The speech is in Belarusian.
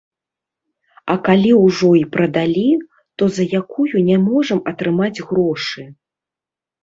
А калі ўжо і прадалі, то за якую не можам атрымаць грошы.